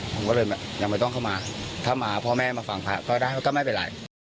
ผมก็เลยยังไม่ต้องเข้ามาถ้ามาพ่อแม่มาฟังพระก็ได้ก็ไม่เป็นไร